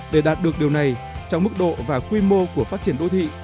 để đạt được điều này trong mức độ và quy mô của phát triển đô thị